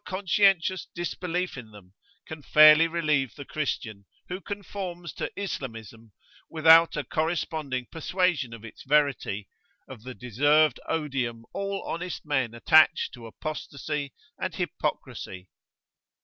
xxi]conscientious disbelief in them, can fairly relieve the Christian, who conforms to Islamism without a corresponding persuasion of its verity, of the deserved odium all honest men attach to apostasy and hypocrisy."